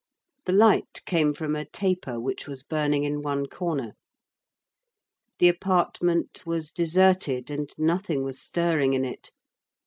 The light came from a taper which was burning in one corner. The apartment was deserted, and nothing was stirring in it.